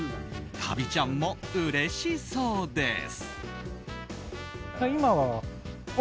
タビちゃんもうれしそうです。